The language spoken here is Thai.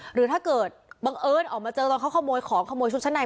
หรือถ้าเกิดบังเอิญออกมาเจอตอนเขาขโมยของขโมยชุดชั้นใน